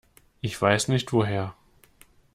Ich weiß nicht woher.